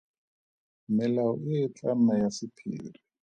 Melao e e tla nna ya sephiri.